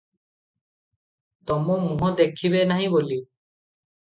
ତମ ମୁହଁ ଦେଖିବେ ନାହିଁ ବୋଲି ।